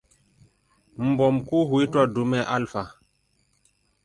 Mbwa mkuu huitwa "dume alfa".